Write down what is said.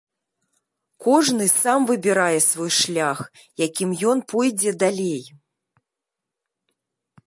Кожны сам выбірае свой шлях, якім ён пойдзе далей.